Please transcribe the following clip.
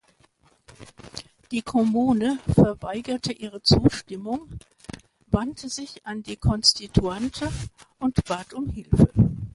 Die Commune verweigerte ihre Zustimmung, wandte sich an die Konstituante und bat um Hilfe.